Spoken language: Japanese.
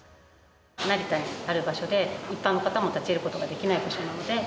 成田にある場所で、一般の方も立ち入ることもできない場所なので。